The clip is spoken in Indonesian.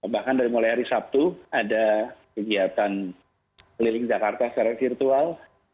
bahkan dari mulai hari sabtu ada kegiatan keliling jakarta secara virtual